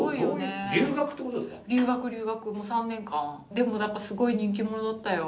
でもなんかすごい人気者だったよ。